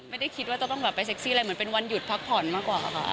ไม่ได้คิดว่าจะต้องแบบไปเซ็กซี่อะไรเหมือนเป็นวันหยุดพักผ่อนมากกว่าค่ะ